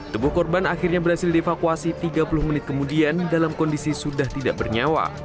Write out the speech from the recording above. tubuh korban akhirnya berhasil dievakuasi tiga puluh menit kemudian dalam kondisi sudah tidak bernyawa